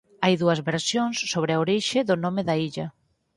Hai dúas versións sobre a orixe do nome da illa.